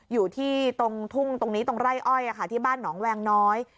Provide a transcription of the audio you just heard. อยู่ที่ตรงทุ่งตรงนี้ตรงไร่อ้อยที่บ้านหนองแวงน้อย